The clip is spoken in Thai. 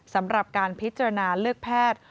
สำหรับการพิจารณาเลือกแพทย์